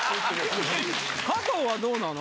加藤はどうなの？